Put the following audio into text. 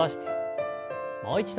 もう一度。